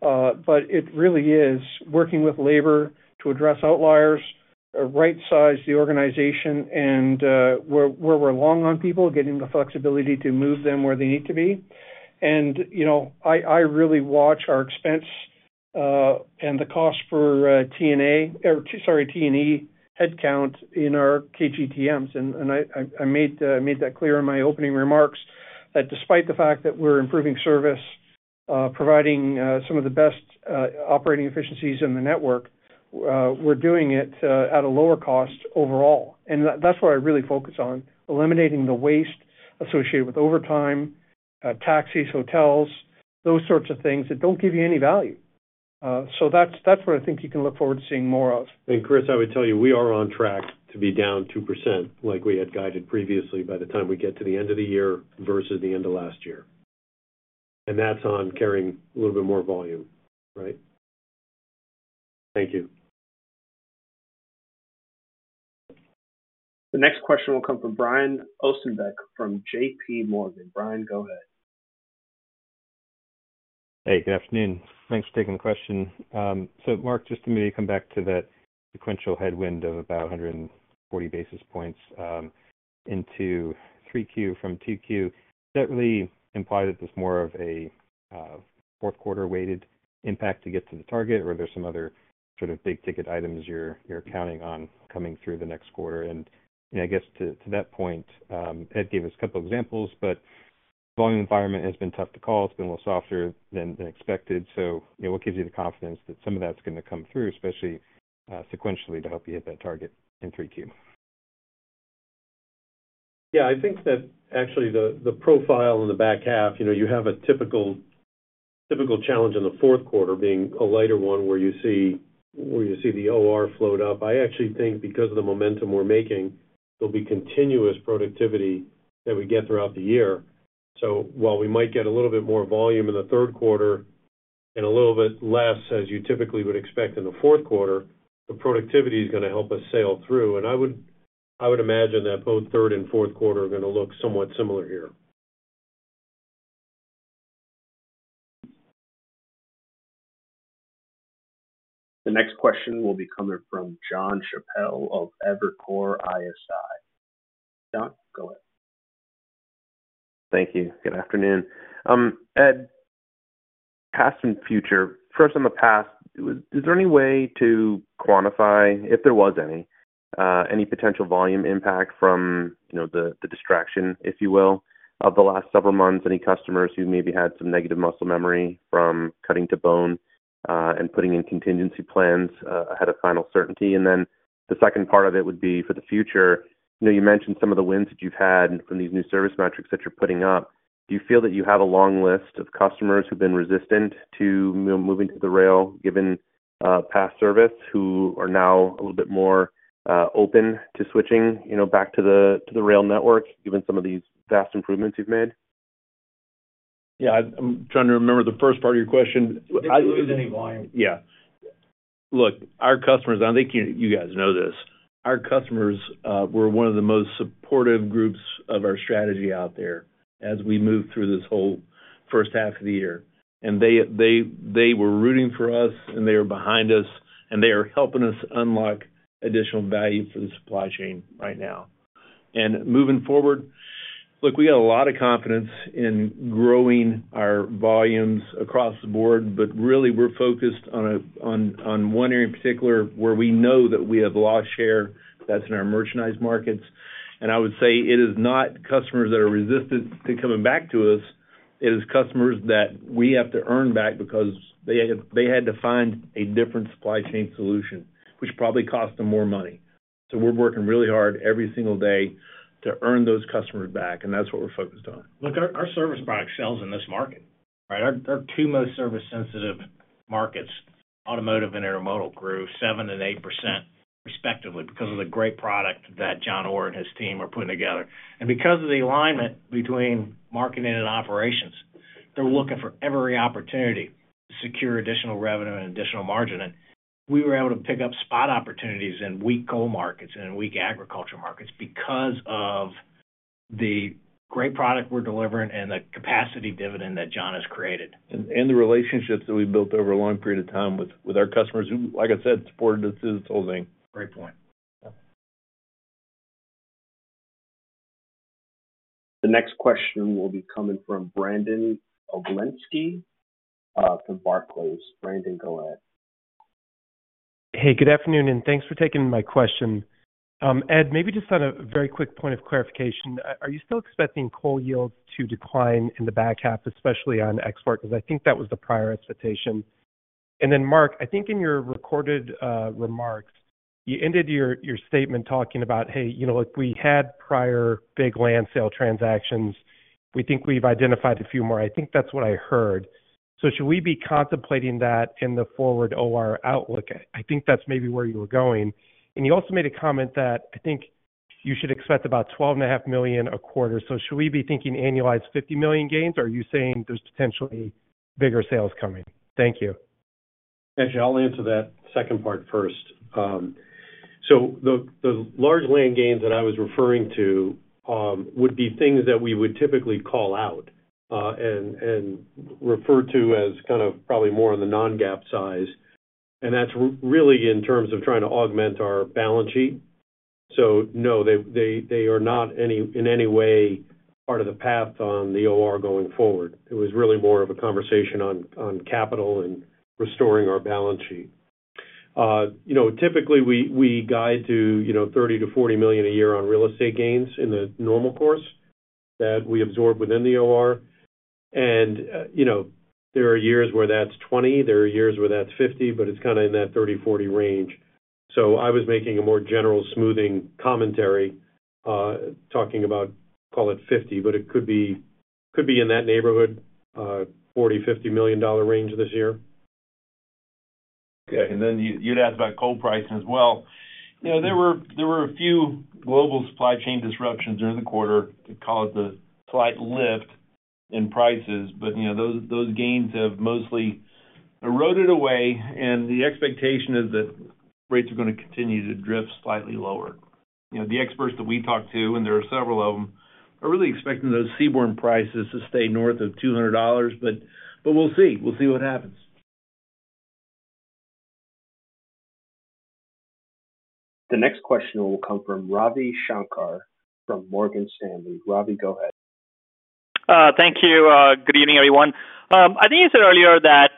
But it really is working with labor to address outliers, right-size the organization, and where we're long on people, getting the flexibility to move them where they need to be. And I really watch our expense and the cost for T&A or sorry, T&E headcount in our KGTMs. I made that clear in my opening remarks that despite the fact that we're improving service, providing some of the best operating efficiencies in the network, we're doing it at a lower cost overall. That's what I really focus on, eliminating the waste associated with overtime, taxis, hotels, those sorts of things that don't give you any value. That's what I think you can look forward to seeing more of. And Chris, I would tell you we are on track to be down 2% like we had guided previously by the time we get to the end of the year versus the end of last year. And that's on carrying a little bit more volume, right? Thank you. The next question will come from Brian Ossenbeck from JPMorgan. Brian, go ahead. Hey, good afternoon. Thanks for taking the question. So Mark, just to maybe come back to that sequential headwind of about 140 basis points into Q3 from Q2, does that really imply that there's more of a fourth quarter-weighted impact to get to the target, or are there some other sort of big-ticket items you're counting on coming through the next quarter? And I guess to that point, Ed gave us a couple of examples, but the volume environment has been tough to call. It's been a little softer than expected. So what gives you the confidence that some of that's going to come through, especially sequentially, to help you hit that target in Q3? Yeah, I think that actually the profile in the back half, you have a typical challenge in the fourth quarter being a lighter one where you see the OR float up. I actually think because of the momentum we're making, there'll be continuous productivity that we get throughout the year. So while we might get a little bit more volume in the third quarter and a little bit less as you typically would expect in the fourth quarter, the productivity is going to help us sail through. And I would imagine that both third and fourth quarter are going to look somewhat similar here. The next question will be coming from Jon Chappell of Evercore ISI. Jon, go ahead. Thank you. Good afternoon. Ed, past and future. First, on the past, is there any way to quantify, if there was any, any potential volume impact from the distraction, if you will, of the last several months? Any customers who maybe had some negative muscle memory from cutting to bone and putting in contingency plans ahead of final certainty? And then the second part of it would be for the future. You mentioned some of the wins that you've had from these new service metrics that you're putting up. Do you feel that you have a long list of customers who've been resistant to moving to the rail given past service who are now a little bit more open to switching back to the rail network given some of these vast improvements you've made? Yeah. I'm trying to remember the first part of your question. If there was any volume. Yeah. Look, our customers, and I think you guys know this, our customers were one of the most supportive groups of our strategy out there as we moved through this whole first half of the year. They were rooting for us, and they were behind us, and they are helping us unlock additional value for the supply chain right now. Moving forward, look, we got a lot of confidence in growing our volumes across the board. But really, we're focused on one area in particular where we know that we have a lost share that's in our merchandise markets. I would say it is not customers that are resistant to coming back to us. It is customers that we have to earn back because they had to find a different supply chain solution, which probably cost them more money. We're working really hard every single day to earn those customers back. That's what we're focused on. Look, our service product sells in this market, right? Our two most service-sensitive markets, automotive and intermodal, grew 7% and 8% respectively because of the great product that John Orr and his team are putting together. And because of the alignment between marketing and operations, they're looking for every opportunity to secure additional revenue and additional margin. And we were able to pick up spot opportunities in weak coal markets and in weak agriculture markets because of the great product we're delivering and the capacity dividend that John has created. The relationships that we've built over a long period of time with our customers who, like I said, supported us through this whole thing. Great point. The next question will be coming from Brandon Oglenski from Barclays. Brandon, go ahead. Hey, good afternoon. And thanks for taking my question. Ed, maybe just on a very quick point of clarification, are you still expecting coal yields to decline in the back half, especially on export? Because I think that was the prior expectation. And then Mark, I think in your recorded remarks, you ended your statement talking about, "Hey, look, we had prior big land sale transactions. We think we've identified a few more." I think that's what I heard. So should we be contemplating that in the forward OR outlook? I think that's maybe where you were going. And you also made a comment that I think you should expect about $12.5 million a quarter. So should we be thinking annualized $50 million gains, or are you saying there's potentially bigger sales coming? Thank you. Actually, I'll answer that second part first. So the large land gains that I was referring to would be things that we would typically call out and refer to as kind of probably more on the non-GAAP side. And that's really in terms of trying to augment our balance sheet. So no, they are not in any way part of the path on the OR going forward. It was really more of a conversation on capital and restoring our balance sheet. Typically, we guide to $30 million-$40 million a year on real estate gains in the normal course that we absorb within the OR. And there are years where that's $20 million. There are years where that's $50 million. But it's kind of in that $30 million-$40 million range. So I was making a more general smoothing commentary talking about, call it 50, but it could be in that neighborhood, $40 million-$50 million range this year. Okay. And then you'd asked about coal pricing as well. There were a few global supply chain disruptions during the quarter that caused a slight lift in prices. But those gains have mostly eroded away. And the expectation is that rates are going to continue to drift slightly lower. The experts that we talked to, and there are several of them, are really expecting those seaborne prices to stay north of $200. But we'll see. We'll see what happens. The next question will come from Ravi Shanker from Morgan Stanley. Ravi, go ahead. Thank you. Good evening, everyone. I think you said earlier that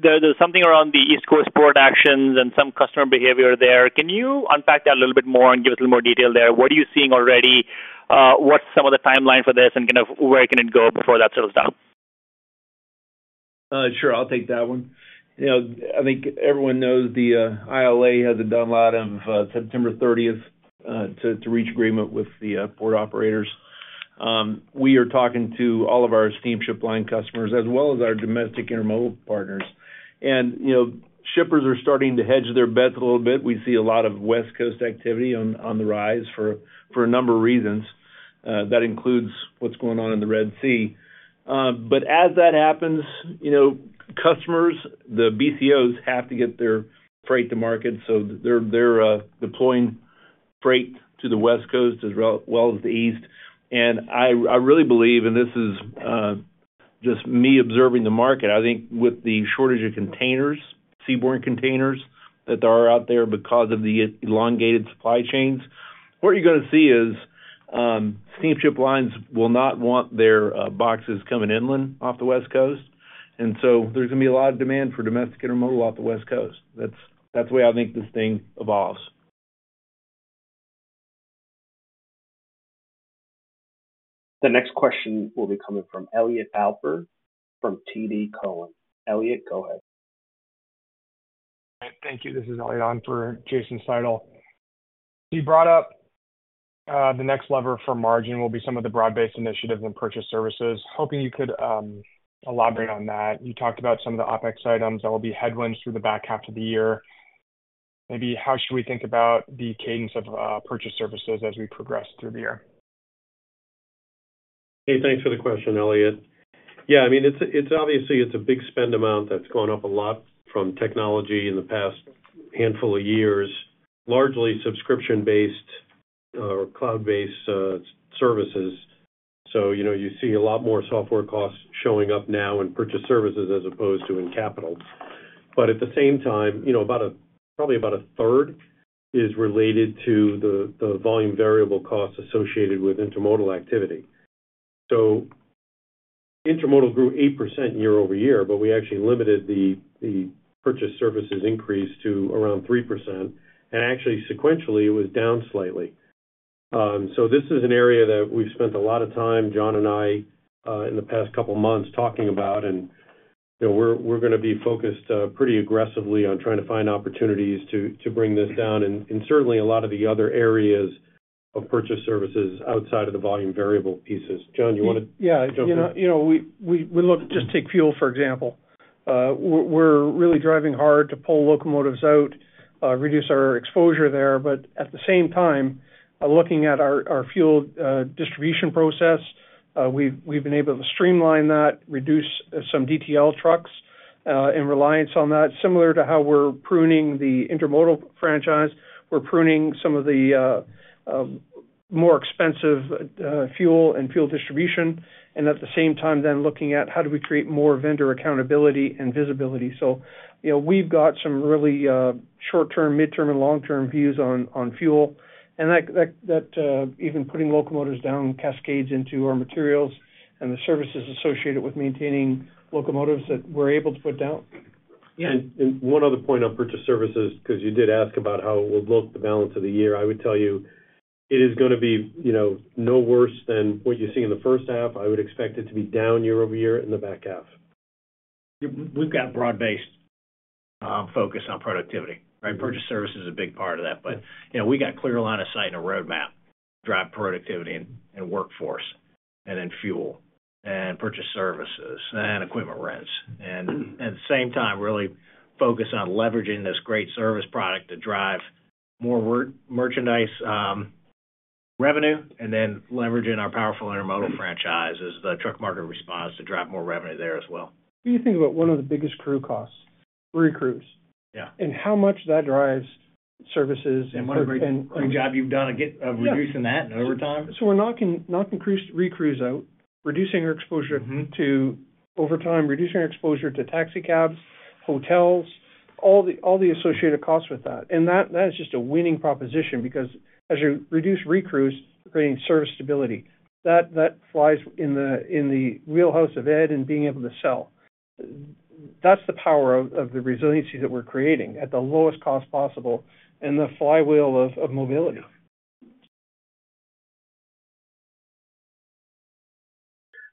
there's something around the East Coast port actions and some customer behavior there. Can you unpack that a little bit more and give us a little more detail there? What are you seeing already? What's some of the timeline for this and kind of where can it go before that sort of stuff? Sure. I'll take that one. I think everyone knows the ILA hasn't done a lot since September 30th to reach agreement with the port operators. We are talking to all of our steamship line customers as well as our domestic intermodal partners. And shippers are starting to hedge their bets a little bit. We see a lot of West Coast activity on the rise for a number of reasons. That includes what's going on in the Red Sea. But as that happens, customers, the BCOs, have to get their freight to market. So they're deploying freight to the West Coast as well as the East. I really believe, and this is just me observing the market, I think with the shortage of containers, seaborne containers that are out there because of the elongated supply chains, what you're going to see is steamship lines will not want their boxes coming inland off the West Coast. And so there's going to be a lot of demand for domestic intermodal off the West Coast. That's the way I think this thing evolves. The next question will be coming from Elliot Alper from TD Cowen. Elliot, go ahead. Thank you. This is Elliot Alper, Jason Seidl. You brought up the next lever for margin will be some of the broad-based initiatives and purchase services. Hoping you could elaborate on that. You talked about some of the OpEx items that will be headwinds through the back half of the year. Maybe, how should we think about the cadence of purchase services as we progress through the year? Hey, thanks for the question, Elliot. Yeah. I mean, obviously, it's a big spend amount that's gone up a lot from technology in the past handful of years, largely subscription-based or cloud-based services. So you see a lot more software costs showing up now in purchase services as opposed to in capital. But at the same time, probably about a third is related to the volume variable costs associated with intermodal activity. So intermodal grew 8% year-over-year, but we actually limited the purchase services increase to around 3%. And actually, sequentially, it was down slightly. So this is an area that we've spent a lot of time, John and I, in the past couple of months talking about. We're going to be focused pretty aggressively on trying to find opportunities to bring this down in certainly a lot of the other areas of purchased services outside of the volume variable pieces. John, you want to jump in? Yeah. We just take fuel, for example. We're really driving hard to pull locomotives out, reduce our exposure there. But at the same time, looking at our fuel distribution process, we've been able to streamline that, reduce some DTL trucks and reliance on that. Similar to how we're pruning the intermodal franchise, we're pruning some of the more expensive fuel and fuel distribution. And at the same time, then looking at how do we create more vendor accountability and visibility. So we've got some really short-term, mid-term, and long-term views on fuel. And even putting locomotives down cascades into our materials and the services associated with maintaining locomotives that we're able to put down. Yeah. And one other point on purchased services, because you did ask about how it will look the balance of the year, I would tell you it is going to be no worse than what you see in the first half. I would expect it to be down year-over-year in the back half. We've got a broad-based focus on productivity. Purchased services is a big part of that. But we got a clear line of sight and a roadmap to drive productivity and workforce and then fuel and purchased services and equipment rents. And at the same time, really focus on leveraging this great service product to drive more merchandise revenue and then leveraging our powerful intermodal franchise as the truck market responds to drive more revenue there as well. What do you think about one of the biggest crew costs? Recruits. And how much that drives services and. What a great point, John. You've done of reducing that and overtime? We're knocking recruits out, reducing our exposure to overtime, reducing our exposure to taxi cabs, hotels, all the associated costs with that. That is just a winning proposition because as you reduce recruits, you're creating service stability. That flies in the wheelhouse of Ed and being able to sell. That's the power of the resiliency that we're creating at the lowest cost possible and the flywheel of mobility.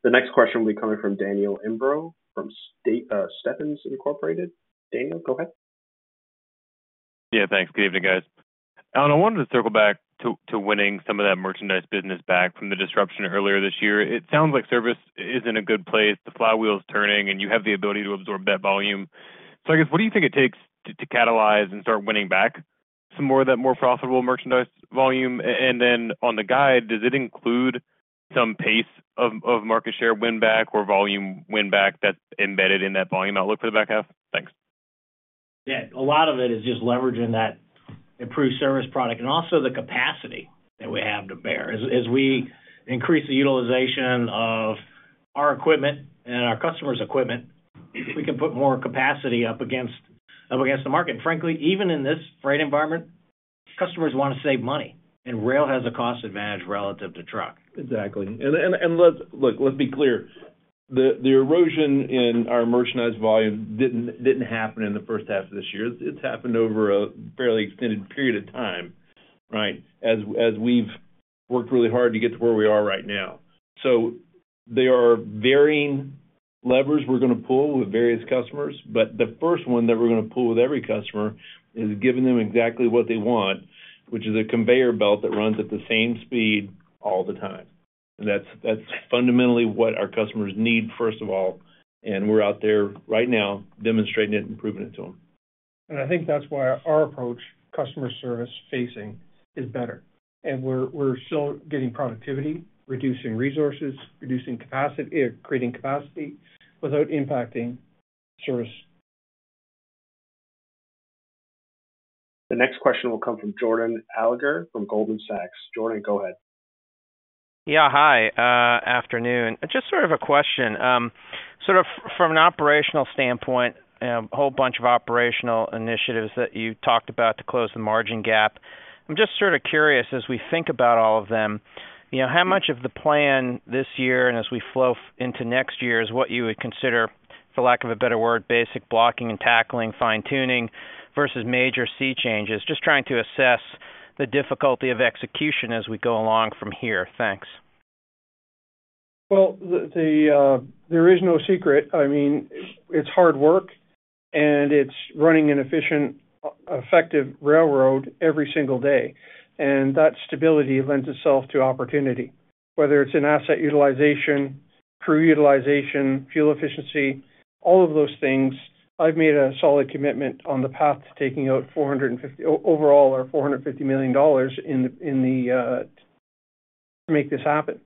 The next question will be coming from Daniel Imbro from Stephens Incorporated. Daniel, go ahead. Yeah. Thanks. Good evening, guys. I wanted to circle back to winning some of that merchandise business back from the disruption earlier this year. It sounds like service is in a good place. The flywheel's turning, and you have the ability to absorb that volume. So I guess, what do you think it takes to catalyze and start winning back some more of that more profitable merchandise volume? And then on the guide, does it include some pace of market share win back or volume win back that's embedded in that volume outlook for the back half? Thanks. Yeah. A lot of it is just leveraging that improved service product and also the capacity that we have to bear. As we increase the utilization of our equipment and our customers' equipment, we can put more capacity up against the market. And frankly, even in this freight environment, customers want to save money. And rail has a cost advantage relative to truck. Exactly. And look, let's be clear. The erosion in our merchandise volume didn't happen in the first half of this year. It's happened over a fairly extended period of time, right, as we've worked really hard to get to where we are right now. So there are varying levers we're going to pull with various customers. But the first one that we're going to pull with every customer is giving them exactly what they want, which is a conveyor belt that runs at the same speed all the time. And that's fundamentally what our customers need, first of all. And we're out there right now demonstrating it and proving it to them. I think that's why our approach, customer service facing, is better. We're still getting productivity, reducing resources, creating capacity without impacting service. The next question will come from Jordan Alliger from Goldman Sachs. Jordan, go ahead. Yeah. Hi. Afternoon. Just sort of a question. Sort of from an operational standpoint, a whole bunch of operational initiatives that you talked about to close the margin gap. I'm just sort of curious, as we think about all of them, how much of the plan this year and as we flow into next year is what you would consider, for lack of a better word, basic blocking and tackling, fine-tuning versus major sea changes, just trying to assess the difficulty of execution as we go along from here? Thanks. Well, there is no secret. I mean, it's hard work, and it's running an efficient, effective railroad every single day. And that stability lends itself to opportunity, whether it's in asset utilization, crew utilization, fuel efficiency, all of those things. I've made a solid commitment on the path to taking out overall our $450 million to make this happen.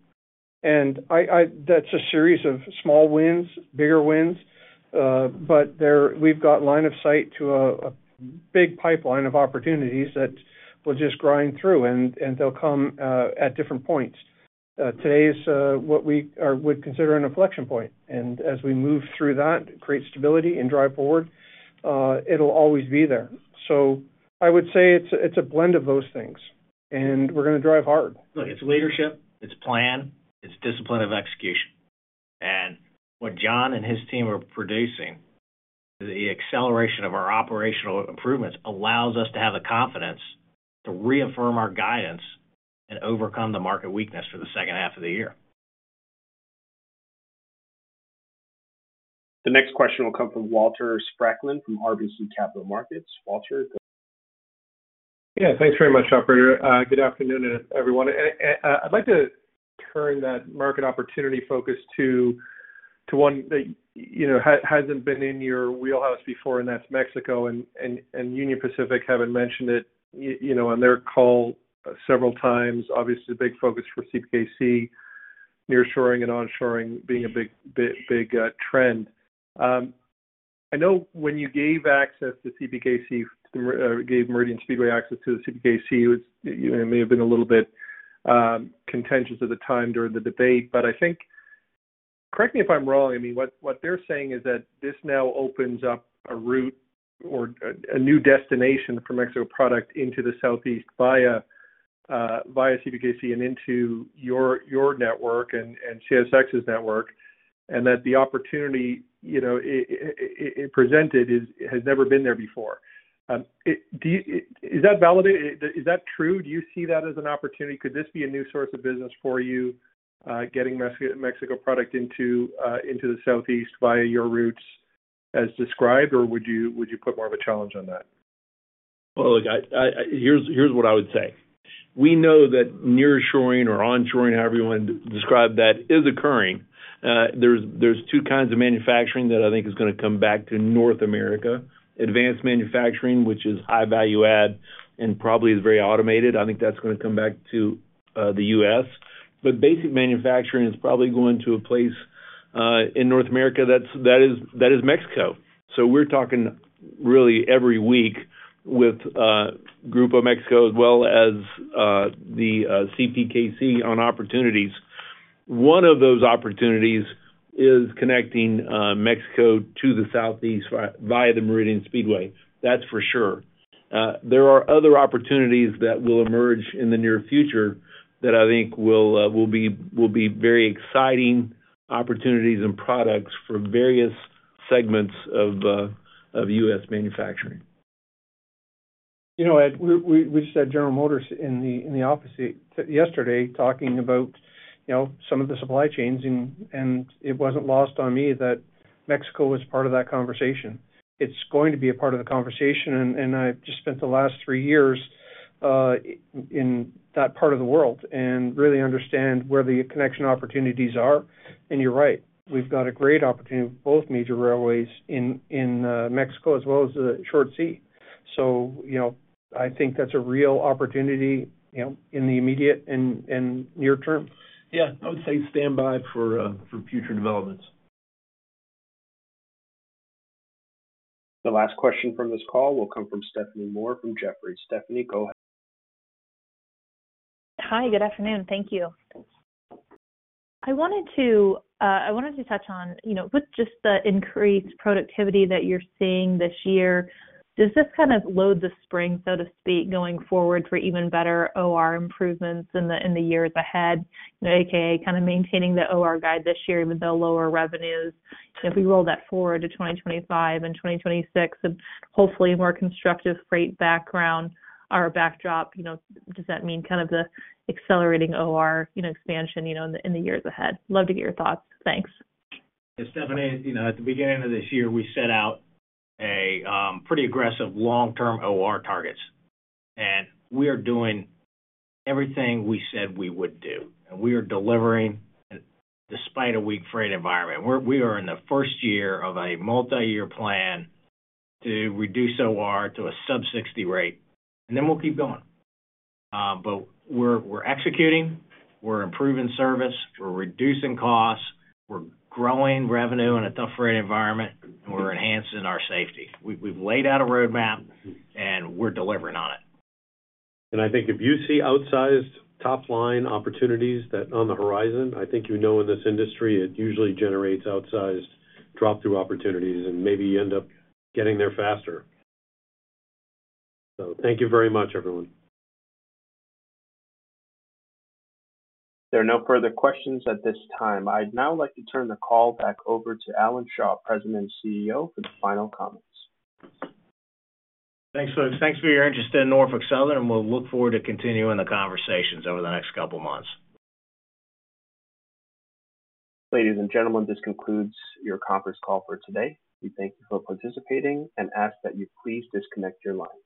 And that's a series of small wins, bigger wins. But we've got line of sight to a big pipeline of opportunities that will just grind through, and they'll come at different points. Today is what we would consider an inflection point. And as we move through that, create stability and drive forward, it'll always be there. So I would say it's a blend of those things. And we're going to drive hard. Look, it's leadership. It's plan. It's discipline of execution. And what John and his team are producing, the acceleration of our operational improvements allows us to have the confidence to reaffirm our guidance and overcome the market weakness for the second half of the year. The next question will come from Walter Spracklin from RBC Capital Markets. Walter. Yeah. Thanks very much, operator. Good afternoon, everyone. I'd like to turn that market opportunity focus to one that hasn't been in your wheelhouse before, and that's Mexico. Union Pacific haven't mentioned it on their call several times. Obviously, the big focus for CPKC, nearshoring and onshoring being a big trend. I know when you gave access to CPKC, gave Meridian Speedway access to the CPKC, it may have been a little bit contentious at the time during the debate. But I think, correct me if I'm wrong, I mean, what they're saying is that this now opens up a route or a new destination for Mexico product into the Southeast via CPKC and into your network and CSX's network, and that the opportunity it presented has never been there before. Is that valid? Is that true? Do you see that as an opportunity? Could this be a new source of business for you, getting Mexico product into the Southeast via your routes as described, or would you put more of a challenge on that? Well, look, here's what I would say. We know that nearshoring or onshoring, however you want to describe that, is occurring. There's two kinds of manufacturing that I think is going to come back to North America: advanced manufacturing, which is high value add and probably is very automated. I think that's going to come back to the U.S. But basic manufacturing is probably going to a place in North America that is Mexico. So we're talking really every week with a group of Mexico as well as the CPKC on opportunities. One of those opportunities is connecting Mexico to the Southeast via the Meridian Speedway. That's for sure. There are other opportunities that will emerge in the near future that I think will be very exciting opportunities and products for various segments of U.S. manufacturing. You know, Ed, we just had General Motors in the office yesterday talking about some of the supply chains. It wasn't lost on me that Mexico was part of that conversation. It's going to be a part of the conversation. I've just spent the last three years in that part of the world and really understand where the connection opportunities are. You're right. We've got a great opportunity with both major railways in Mexico as well as the short sea. So I think that's a real opportunity in the immediate and near term. Yeah. I would say stand by for future developments. The last question from this call will come from Stephanie Moore from Jefferies. Stephanie, go ahead. Hi. Good afternoon. Thank you. I wanted to touch on just the increased productivity that you're seeing this year. Does this kind of load the spring, so to speak, going forward for even better OR improvements in the years ahead, a.k.a. kind of maintaining the OR guide this year, even though lower revenues? If we roll that forward to 2025 and 2026, hopefully, a more constructive freight background or backdrop, does that mean kind of the accelerating OR expansion in the years ahead? Love to get your thoughts. Thanks. Stephanie, at the beginning of this year, we set out pretty aggressive long-term OR targets. We are doing everything we said we would do. We are delivering despite a weak freight environment. We are in the first year of a multi-year plan to reduce OR to a sub-60 rate. Then we'll keep going. But we're executing. We're improving service. We're reducing costs. We're growing revenue in a tough freight environment. We're enhancing our safety. We've laid out a roadmap, and we're delivering on it. I think if you see outsized top-line opportunities on the horizon, I think you know in this industry, it usually generates outsized drop-through opportunities, and maybe you end up getting there faster. Thank you very much, everyone. There are no further questions at this time. I'd now like to turn the call back over to Alan Shaw, President and CEO, for the final comments. Thanks for your interest in Norfolk Southern. We'll look forward to continuing the conversations over the next couple of months. Ladies and gentlemen, this concludes your conference call for today. We thank you for participating and ask that you please disconnect your lines.